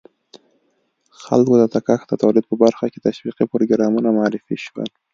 خلکو ته د کښت او تولید په برخه کې تشویقي پروګرامونه معرفي شول.